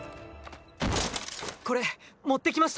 これ持って来ました！